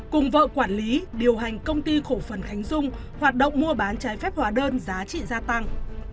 cùng vợ quản lý điều hành công ty cổ phần khánh dung hoạt động mua bán trái phép hóa đơn giá trị gia tăng